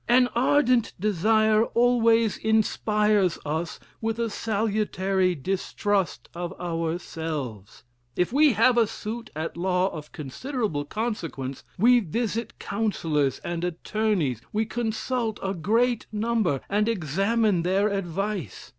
An ardent desire always inspires us with a salutary distrust of ourselves. If we have a suit at law of considerable consequence, we visit counsellors and attorneys, we consult a great number, and examine their advice.